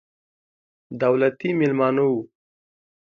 دولتي مېلمانه وو.